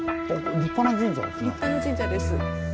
立派な神社ですね。